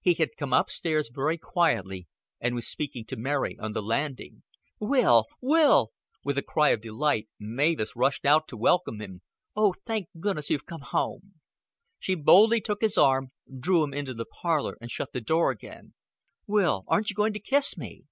He had come up stairs very quietly and was speaking to Mary on the landing. "Will, Will!" With a cry of delight, Mavis rushed out to welcome him. "Oh, thank goodness, you've come home." She boldly took his arm, drew him into the parlor and shut the door again. "Will aren't you going to kiss me?"